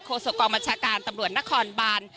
โคศกรมชาการตำรวจนครบัน